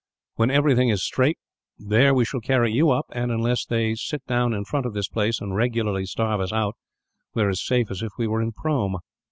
When everything is straight, there we shall carry you up and, unless they sit down in front of this place and regularly starve us out, we are as safe as if we were in Prome."